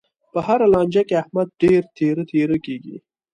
په هره لانجه کې، احمد ډېر تېره تېره کېږي.